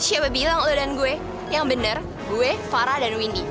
siapa bilang lo dan gue yang bener gue farah dan windy